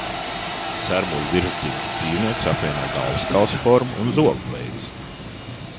Sermuļu virsdzimtas dzīvniekus apvieno galvaskausa forma un zobu veids.